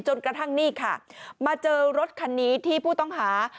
จนกระทั่งนี่ค่ะมาเจอรถคันนี้ที่ผู้ต้องหา